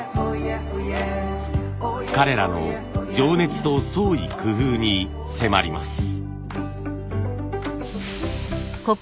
彼らの情熱と創意工夫に迫ります。